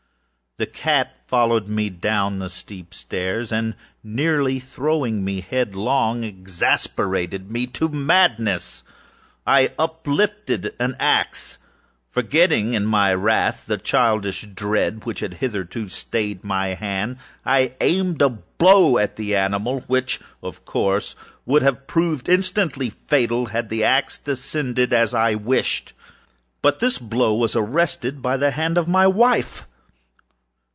The cat followed me down the steep stairs, and, nearly throwing me headlong, exasperated me to madness. Uplifting an axe, and forgetting, in my wrath, the childish dread which had hitherto stayed my hand, I aimed a blow at the animal which, of course, would have proved instantly fatal had it descended as I wished. But this blow was arrested by the hand of my wife.